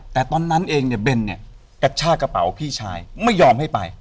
แต่ตอนนั้นเองเบนกระชากระเป๋าพี่ชายไม่ยอมให้ไป